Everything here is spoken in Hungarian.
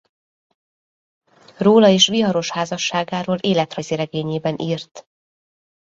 Róla és viharos házasságáról életrajzi regényében írt.